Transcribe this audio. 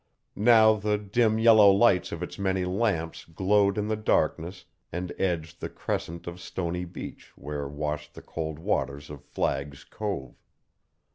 Now the dim, yellow lights of its many lamps glowed in the darkness and edged the crescent of stony beach where washed the cold waters of Flag's Cove.